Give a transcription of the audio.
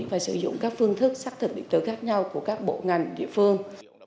và sử dụng các phương thức xác thực điện tử khác nhau của các bộ ngành địa phương